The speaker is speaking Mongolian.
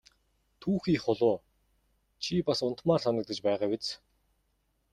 Түүхий хулуу чи бас унтмаар санагдаж байгаа биз!